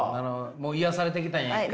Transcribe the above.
もう癒やされてきたんや一回。